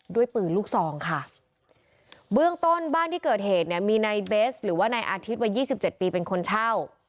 ด้วยปืนลูกซองค่ะเบื้องต้นบ้านที่เกิดเหตุเนี่ยมีนายเบสหรือว่านายอาทิตย์วัยยี่สิบเจ็ดปีเป็นคนเช่า